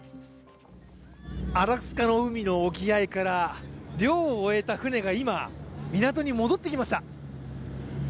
アラスカの海の沖合から漁を終えた船が今、港に戻ってきました。